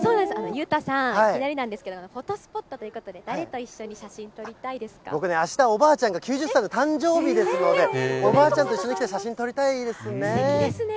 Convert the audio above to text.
裕太さん、いきなりなんですけれども、フォトスポットということで、僕ね、あした、おばあちゃんが９０歳の誕生日ですので、おばあちゃんと一緒に来すてきですね。